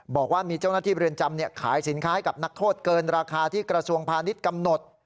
บอกว่ามีเจ้าหน้าที่เรือนจำขายสินค้าให้กับนักโทษเกินราคาที่กระทรวงพาณิชย์กำหนด